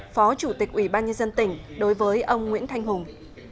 phó chủ tịch ubnd tỉnh đối với ông nguyễn thanh hùng